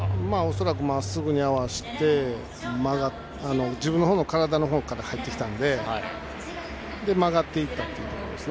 恐らくまっすぐに合わせて自分の体のほうから入ってきたので曲がっていったというところです。